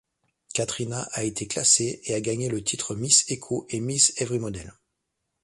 Katrina a été classée et a gagné le titre Miss Eco et Miss Everymodel.